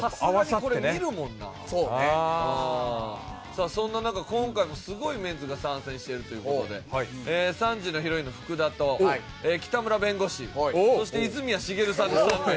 さあそんな中今回もすごいメンツが参戦してるという事で３時のヒロインの福田と北村弁護士そして泉谷しげるさんの３名。